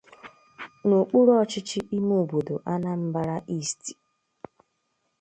n'okpuru ọchịchị ime obodo 'Anambra East'